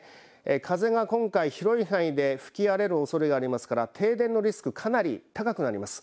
風が今回、広い範囲で吹き荒れるおそれがありますから停電のリスクかなり高くなります。